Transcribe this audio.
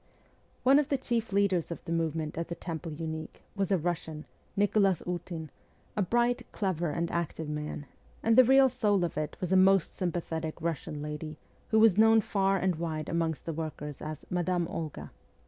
One of the chief leaders of the movement at the Temple Unique was a Russian, Nicholas Ootin, a bright, clever, and active man ; and the real soul of it was a most sympathetic Russian lady, who was known far and wide amongst the workers as Madame Olga.